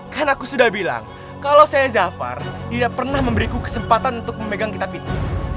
kan aku sudah bilang kalau saya jafar tidak pernah memberiku kesempatan untuk memegang kitab itu